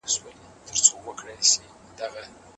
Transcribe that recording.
د افغانستان د پرمختګ لپاره د ښځو زدهکړه د اقتصاد پیاوړتیا راوړي.